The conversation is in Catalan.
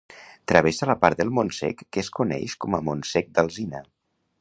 Travessa la part del Montsec que es coneix com a Montsec d'Alzina.